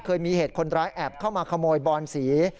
เคยมีเหตุคนร้ายแอบเข้ามาขโมยบอนสี